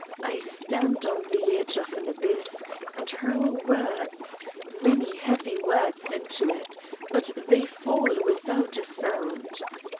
I stand on the edge of an abyss and hurl words, many heavy words, into it, but they fall without a sound.